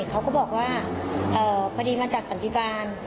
เขาก็บอกว่าพอดีมาจากสันติบาล